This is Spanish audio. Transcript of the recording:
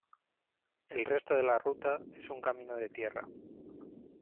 El resto de la ruta es un camino de tierra.